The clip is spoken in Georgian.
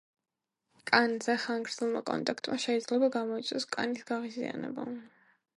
კანზე ხანგრძლივმა კონტაქტმა შეიძლება გამოიწვიოს კანის გაღიზიანება.